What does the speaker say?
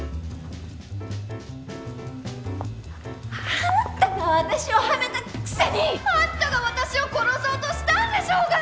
あんたが私をはめたくせに！あんたが私を殺そうとしたんでしょうが！